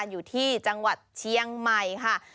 อยู่ที่จังหวัดเชียงใหม่ค่ะ